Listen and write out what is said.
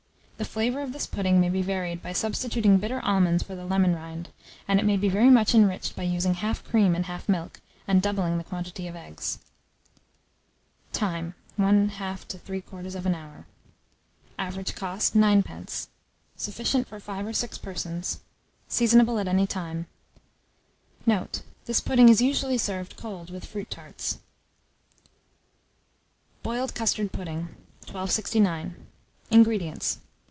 The flavour of this pudding may be varied by substituting bitter almonds for the lemon rind; and it may be very much enriched by using half cream and half milk, and doubling the quantity of eggs. Time. 1/2 to 3/4 hour. Average cost, 9d. Sufficient for 5 or 6 persons. Seasonable at any time. Note. This pudding is usually served cold with fruit tarts. BOILED CUSTARD PUDDING. 1269. INGREDIENTS.